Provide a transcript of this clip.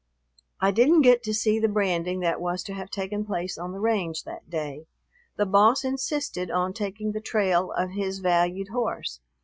I didn't get to see the branding that was to have taken place on the range that day. The boss insisted on taking the trail of his valued horse.